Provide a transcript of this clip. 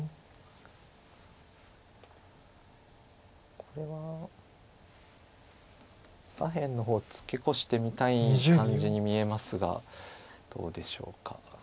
これは左辺の方ツケコしてみたい感じに見えますがどうでしょうか。